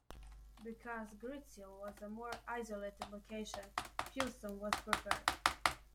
Because Greetsiel was a more isolated location, Pewsum was preferred.